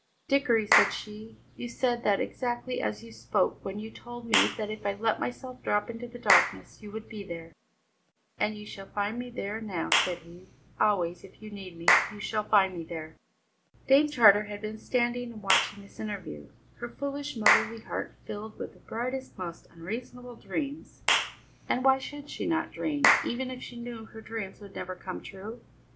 "Dickory," said she, "you said that exactly as you spoke when you told me that if I let myself drop into the darkness, you would be there." "And you shall find me there now," said he; "always, if you need me, you shall find me there!" Dame Charter had been standing and watching this interview, her foolish motherly heart filled with the brightest, most unreasonable dreams. And why should she not dream, even if she knew her dreams would never come true?